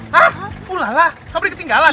hah ulah lah sobri ketinggalan